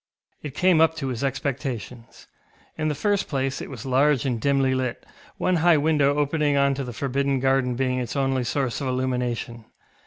It came up to his expectations. In the first place it was large and dimly lit, one high window opening on to the forbidden garden being its only source of illumination.